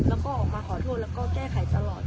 แล้วก็ออกมาขอโทษแล้วก็แก้ไขตลอด